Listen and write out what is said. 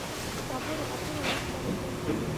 د خبرو اترو لس طریقې: